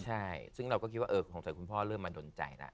ใช่ซึ่งเราก็คิดว่าเออคงใส่คุณพ่อเริ่มมาโดนใจละ